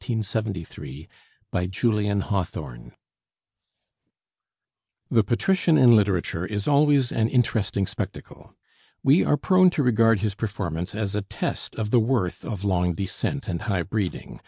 EDWARD BULWER LYTTON (1803 1873) BY JULIAN HAWTHORNE The patrician in literature is always an interesting spectacle. We are prone to regard his performance as a test of the worth of long descent and high breeding.